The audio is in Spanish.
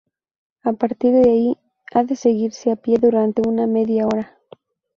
A partir de ahí, ha de seguirse a pie durante una media hora.